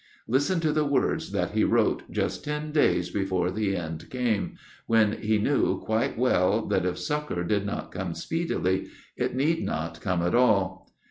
Listen to the words that he wrote just ten days before the end came, when he knew quite well that if succour did not come speedily, it need not come at all.